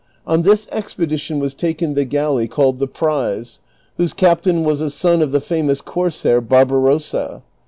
On this expedition was taken the galleycalled the Prize, whose captain was a son of the famous corsair Barbarossa.